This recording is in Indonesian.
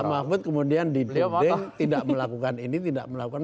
pak mahfud kemudian dideng tidak melakukan ini tidak melakukan